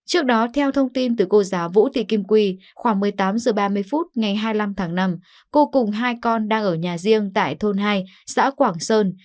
trước đó theo thông tin từ cô giáo vũ thị kim quy khoảng một mươi tám h ba mươi phút ngày hai mươi năm tháng năm cô cùng hai con đang ở nhà riêng tại thôn hai xã quảng sơn